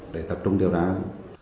để tập trung điều tra án